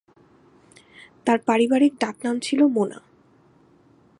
তার পারিবারিক ডাক নাম ছিল মোনা।